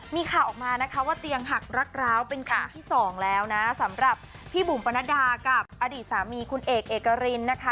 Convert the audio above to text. มีข่าวออกมานะคะว่าเตียงหักรักร้าวเป็นครั้งที่สองแล้วนะสำหรับพี่บุ๋มปนัดดากับอดีตสามีคุณเอกเอกรินนะคะ